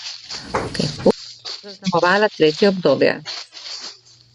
Ura je zaznamovala tretje obdobje.